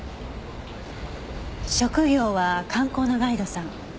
職業は観光のガイドさん？